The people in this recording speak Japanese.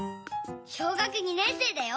小学２年生だよ。